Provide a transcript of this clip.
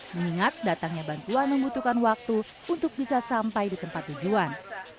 mengingat datangnya bantuan membutuhkan waktu untuk bisa sampai di tempat tujuan